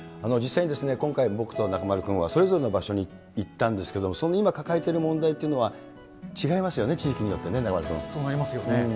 実際に今回、僕と中丸君はそれぞれの場所に行ったんですけども、今抱えている問題というのは、違いますよね、地域によってね、そうなりますよね。